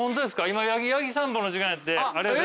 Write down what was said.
今やぎさんぽの時間やって。